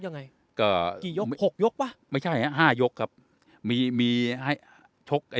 ยังไงก็กี่ยกหกยกป่ะไม่ใช่ฮะห้ายกครับมีมีให้ชกไอ้